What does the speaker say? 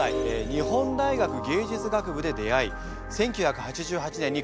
日本大学芸術学部で出会い１９８８年にコンビ結成。